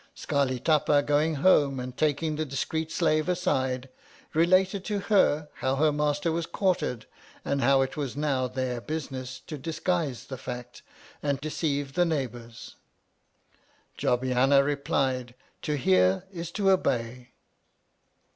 Scarli Tapa, going home and taking the discreet slave aside, related to her how her master was quartered, and how it was now their business to disguise the fact, and deceive the neighbours. Jobbiaua replied, To hear is to obey.